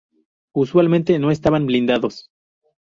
Usualmente no estaban blindados.